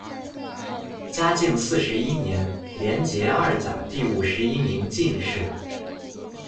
嘉靖四十一年联捷二甲第五十一名进士。